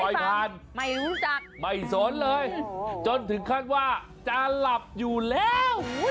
ผ่านไม่รู้จักไม่สนเลยจนถึงขั้นว่าจะหลับอยู่แล้ว